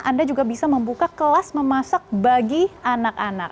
anda juga bisa membuka kelas memasak bagi anak anak